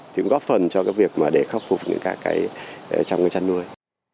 cũng như các cái trong chăn nuôi